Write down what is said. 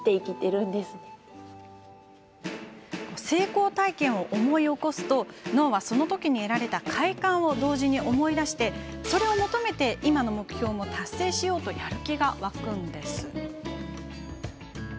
成功体験を思い起こすと脳は、そのときに得られた快感を同時に思い出しそれを求めて今の目標も達成しようとやる気が湧くんです。